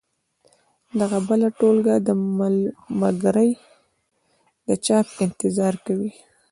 دغه بله ټولګه دمګړۍ د چاپ انتظار کوي.